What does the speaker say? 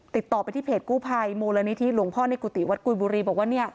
ติดต่อไปที่เพจกู้ภัยมูลนิธิหลวงพ่อในกุฏิวัดกุยบุรีบอกว่าเนี่ย